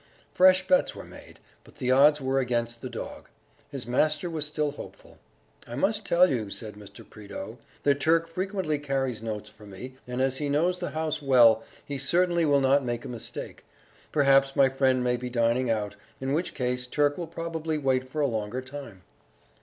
Fresh bets were made, but the odds were against the dog. His master was still hopeful.... "I must tell you," said Mr. Prideaux, "that Turk frequently carries notes for me, and as he knows the house well, he certainly will not make a mistake; perhaps my friend may be dining out, in which case Turk will probably wait for a longer time"....